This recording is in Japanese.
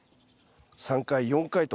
３回４回と。